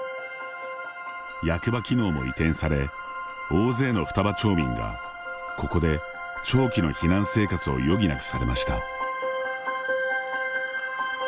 役場機能も移転され大勢の双葉町民がここで長期の避難生活を余儀なくされました。